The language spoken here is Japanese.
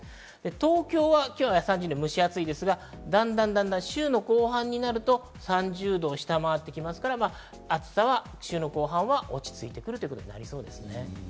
東京は今日は３２度、蒸し暑いですが、だんだん週の後半になると３０度を下回ってきますから暑さは週の後半は落ち着いてくるということになりそうです。